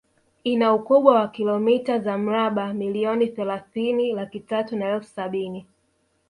Ina ukubwa wa kilomita za mraba milioni thelathini laki tatu na elfu sabini